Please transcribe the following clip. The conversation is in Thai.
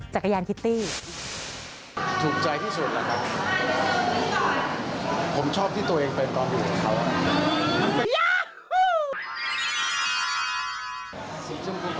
จักรยานคิตตี้